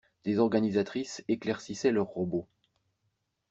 Des organisatrices éclaircissaient leurs robots.